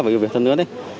và nhiều việc hơn nữa đấy